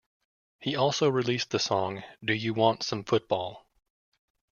He also released the song Do You Want Some Football?